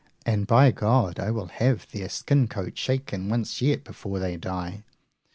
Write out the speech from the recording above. And, by G , I will have their skin coat shaken once yet before they die.